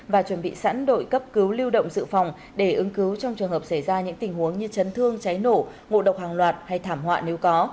và chuẩn bị sẵn đội cấp cứu lưu động dự phòng để ứng cứu trong trường hợp xảy ra những tình huống như chấn thương cháy nổ ngộ độc hàng loạt hay thảm họa nếu có